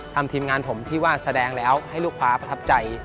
ทีมงานผมที่ว่าแสดงแล้วให้ลูกค้าประทับใจ